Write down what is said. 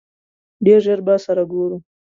ډېر ژر به سره ګورو!